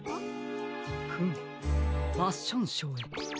フムファッションショーへ。